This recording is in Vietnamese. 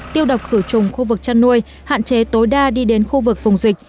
tiêu độc khử trùng khu vực chăn nuôi hạn chế tối đa đi đến khu vực vùng dịch